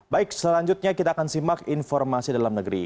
baik selanjutnya kita akan simak informasi dalam negeri